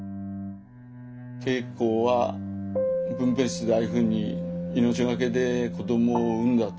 圭子は分べん室でああいうふうに命懸けで子どもを産んだと。